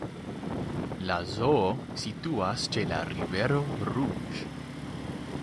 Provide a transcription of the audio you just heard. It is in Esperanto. La zoo situas ĉe la Rivero Rouge.